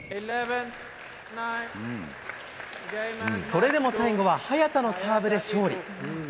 それでも最後は早田のサーブで勝利。